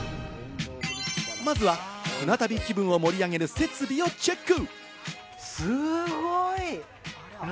まずは船旅気分を盛り上げる設備をチェック。